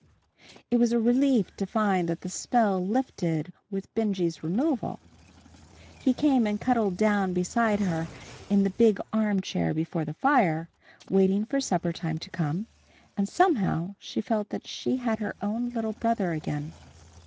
It was a relief to find that the spell lifted with Benjy's removal. He came and cuddled down beside her in the big armchair before the fire, waiting for supper time to come, and somehow she felt that she had her own little brother again.